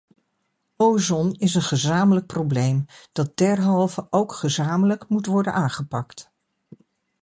Ozon is een gezamenlijk probleem dat derhalve ook gezamenlijk moet worden aangepakt.